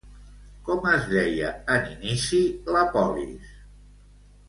Com es deia en inici la polis?